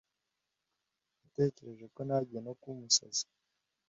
Natekereje ko ntangiye no kuba umusazi.